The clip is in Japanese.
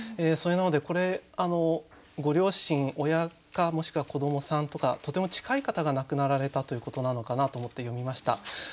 それなのでこれご両親親かもしくは子どもさんとかとても近い方が亡くなられたということなのかなと思って読みました。